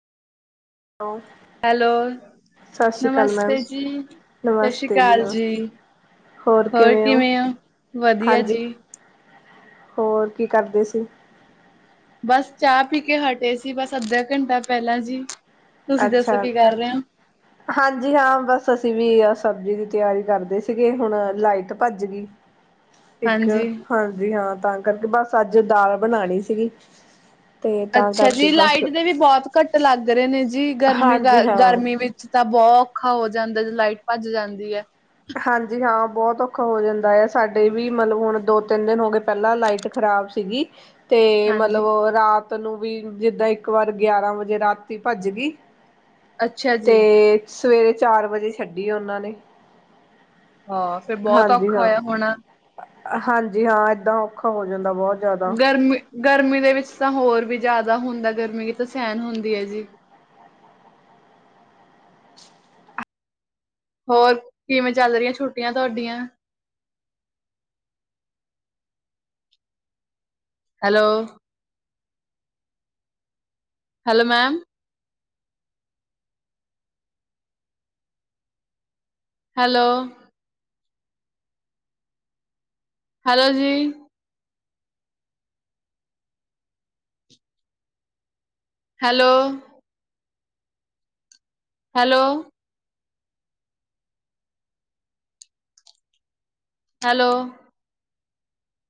Hello, hello ਸਤਿ ਸ਼੍ਰੀ ਅਕਾਲ ਮੈਮ, ਨਮਸਤੇ ਜੀ ਸਤਿ ਸ਼੍ਰੀ ਨਮਸਤੇ ਅਕਾਲ ਜੀ ਨਮਸਤੇ, ਹੋਰ ਕਿਵੇਂ ਆ ਵਧੀਆ ਹਾਂਜੀ, ਜੀ। ਹੋਰ ਕੀ ਕਰਦੇ ਸੀ? ਬਸ ਚਾਹ ਪੀ ਕੇ ਹਟੇ ਸੀ ਬਸ ਅੱਧਾ ਘੰਟਾ ਪਹਿਲਾਂ ਜੀ। ਤੁਸੀਂ ਅੱਛਾ, ਦੱਸੋ ਕੀ ਕਰ ਰਹੇ ਹੋ ਹਾਂਜੀ ਹਾਂ, ਬਸ ਅਸੀਂ ਵੀ ਆ ਸਬਜ਼ੀ ਦੀ ਤਿਆਰੀ ਕਰਦੇ ਸੀਗੇ, ਹੁਣ ਲਾਈਟ ਭੱਜ ਗਈ। ਇੱਕ, ਹਾਂਜੀ ਹਾਂਜੀ ਹਾਂ। ਤਾਂ ਕਰਕੇ ਬਸ ਅੱਜ ਦਾਲ ਬਣਾ ਲਈ ਸੀਗੀ। ਤੇ ਤਾਂ ਅੱਛਾ ਜੀ, ਕਰਕੇ ਬਸ, ਲਾਈਟ ਦੇ ਵੀ ਬਹੁਤ ਕੱਟ ਲੱਗ ਰਹੇ ਨੇ ਜੀ। ਗਰਮੀ ਹਾਂਜੀ ਕਰ, ਹਾਂ। ਗਰਮੀ ਵਿੱਚ ਤਾਂ ਬਹੁ ਔਖਾ ਹੋ ਹੋ ਜਾਂਦਾ ਜਦੋਂ ਲਾਈਟ ਭੱਜ ਜਾਂਦੀ ਹੈ। ਹਾਂਜੀ ਹਾਂ ਬਹੁਤ ਔਖਾ ਹੋ ਜਾਂਦਾ ਹੈ, ਸਾਡੇ ਵੀ ਮਤਲਬ ਹੁਣ ਦੋ ਤਿੰਨ ਦਿਨ ਹੋ ਗਏ, ਪਹਿਲਾਂ ਲਾਈਟ ਖ਼ਰਾਬ ਸੀਗੀ ਅਤੇ ਮਤਲਬ ਹਾਂਜੀ ਰਾਤ ਤੈਨੂੰ ਵੀ ਜਿੱਦਾਂ ਇੱਕ ਵਾਰ ਗਿਆਰਾਂ ਵਜੇ ਰਾਤੀ ਭੱਜ ਗਈ, ਅੱਛਾ ਜੀ ਤੇ ਸਵੇਰੇ ਚਾਰ ਵਜੇ ਛੱਡੀ ਉਹਨਾਂ ਨੇ। ਹਾਂ ਫੇਰ ਬਹੁਤ ਹਾਂਜੀ ਔਖਾ ਹਾਂ ਹੋਇਆ ਹੋਣਾ। ਹਾਂਜੀ ਹਾਂ ਏਦਾਂ ਔਖਾ ਹੋ ਜਾਂਦਾ। ਦਾ ਬਹੁਤ ਜ਼ਿਆਦਾ ਗਰਮੀ ਗਰਮੀ ਦੇ ਵਿੱਚ ਤਾਂ ਹੋਰ ਵੀ ਜ਼ਿਆਦਾ ਹੁੰਦਾ ਗਰਮੀ ਕਿੱਥੇ ਸਹਿਣ ਹੁੰਦੀ ਹੈ ਜੀ। ਹੋਰ, ਕਿਵੇਂ ਚੱਲ ਰਹੀਆਂ ਛੁੱਟੀਆਂ ਤੁਹਾਡੀਆਂ? Hello hello ma'am, hello hello ਜੀ, ਹੈਲੋ ਹੈਲੋ ਹੈਲੋ